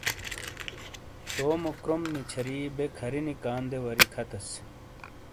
تومو کروم نچھری بے کھرینی کاندے واری کھتیس۔